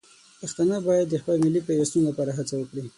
پښتانه باید د خپل ملي پیوستون لپاره هڅه وکړي.